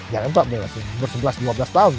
jangan empat belas ya umur sebelas dua belas tahun